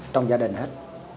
trong gia đình hết